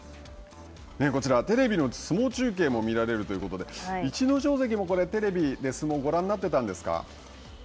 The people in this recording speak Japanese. こちら、テレビの相撲中継も見られるということで逸ノ城関もテレビで相撲をご覧になってたんですか。